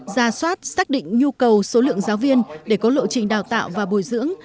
ra soát xác định nhu cầu số lượng giáo viên để có lộ trình đào tạo và bồi dưỡng